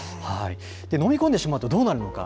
飲み込んでしまうとどうなるのか。